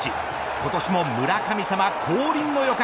今年も村神様降臨の予感。